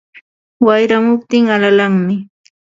Wayramuptin alalanmi